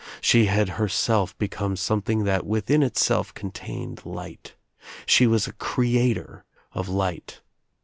She had herself become something that within itself contained light. She was a creator of light.